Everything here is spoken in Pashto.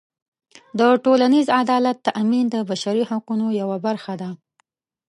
د ټولنیز عدالت تأمین د بشري حقونو یوه برخه ده.